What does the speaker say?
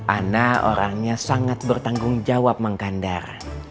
ana orangnya sangat bertanggung jawab mang kandar